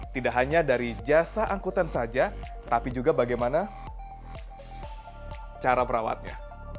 tidak hanya dari jasa angkutan saja tapi juga bagaimana cara merawatnya